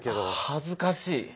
恥ずかしい。